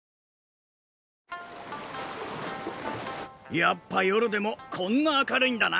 やっぱ夜でもこんな明るいんだな。